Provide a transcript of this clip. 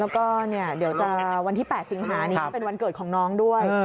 แล้วก็เดี๋ยวจะวันที่๘สิงหานี้ก็เป็นวันเกิดของน้องด้วย